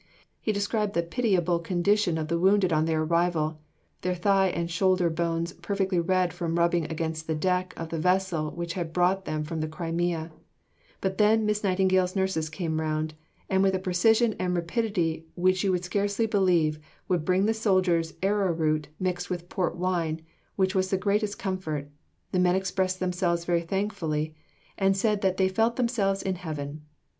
He described the pitiable condition of the wounded on their arrival, "their thigh and shoulder bones perfectly red from rubbing against the deck" of the vessel which had brought them from the Crimea; but then Miss Nightingale's nurses came round, "and with a precision and rapidity which you would scarcely believe, would bring the soldiers arrowroot mixed with port wine, which was the greatest comfort; the men expressed themselves very thankfully, and said that they felt themselves in heaven."